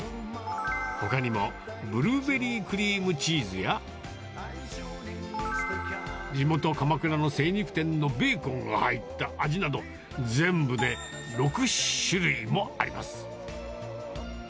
ほかにも、ブルーベリークリームチーズや、地元、鎌倉の精肉店のベーコンが入った味など、全部で６種類もあります。